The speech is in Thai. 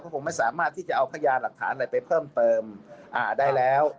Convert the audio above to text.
คงไม่สามารถที่จะเอาพยานหลักฐานอะไรไปเพิ่มเติมได้แล้ว